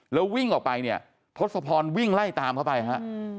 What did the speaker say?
แล้ววิ่งออกไปเนี่ยทศพรวิ่งไล่ตามเข้าไปฮะ